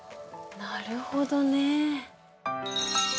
なるほどね。